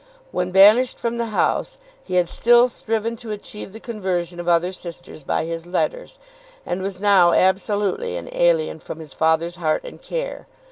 When banished from the house he had still striven to achieve the conversion of other sisters by his letters, and was now absolutely an alien from his father's heart and care.